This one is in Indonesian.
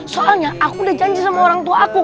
soalnya aku udah janji sama orangtuaku